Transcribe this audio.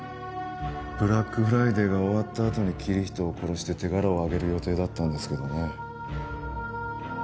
ブラックフライデーが終わったあとにキリヒトを殺して手柄をあげる予定だったんですけどね